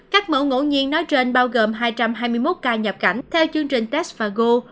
các mẫu ngẫu nhiên nói trên bao gồm hai trăm hai mươi một ca nhập cảnh theo chương trình tesfago